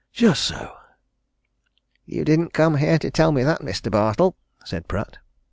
Just so!" "You didn't come here to tell me that, Mr. Bartle," said Pratt.